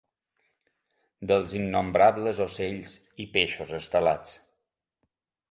Dels innombrables ocells i peixos estelats.